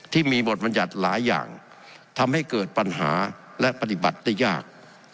ที่มีบทบรรยัติหลายอย่างทำให้เกิดปัญหาและปฏิบัติได้ยาก